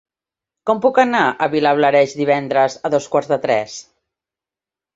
Com puc anar a Vilablareix divendres a dos quarts de tres?